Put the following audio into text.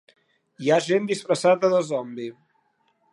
hi ha gent disfressada de zombi.